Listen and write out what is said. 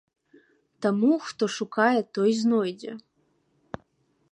Таму хто шукае, той знойдзе.